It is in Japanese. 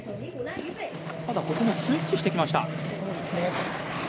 ここもスイッチしてきました。